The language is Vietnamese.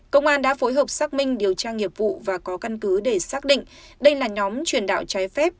công an đã phối hợp xác minh điều tra nghiệp vụ và có căn cứ để xác định đây là nhóm truyền đạo trái phép